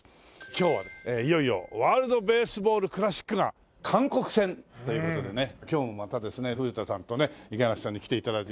今日はいよいよワールドベースボールクラシックが韓国戦という事でね今日もまたですね古田さんとね五十嵐さんに来て頂いて。